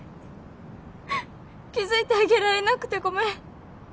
気付いてあげられなくてごめん。